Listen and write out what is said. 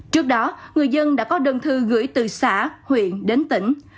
trước đó người dân đã có đơn thư gửi từ xã huyện đến tỉnh